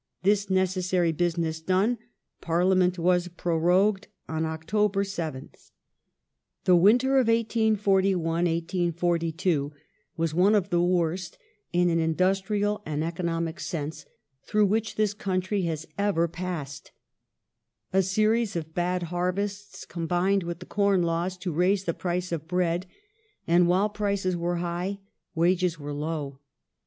This necessary business done, Parliament was prorogued on October 7th. The winter of 1841 1842 was one of the worst, in an industrial The and economic sense, through which this country has ever passed. '*.^°"^'' A series of bad harvests combined with the Corn Laws to raise the England" price of bread ; and while prices were high wages were low.